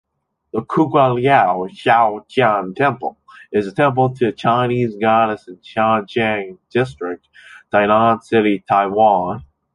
The Kugualiao Chao-Tian Temple, is a temple to the Chinese goddess in Shanshang District, Tainan City, Taiwan.